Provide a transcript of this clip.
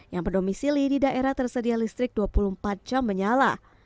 yang berdomisili di daerah tersedia listrik dua puluh empat jam menyala